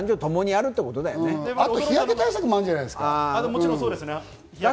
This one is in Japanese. あと日焼け対策もあるんじゃないですか。